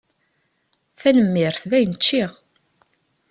Tanemmirt, dayen ččiɣ.